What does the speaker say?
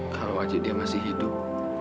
kalau wajah dia masih hidup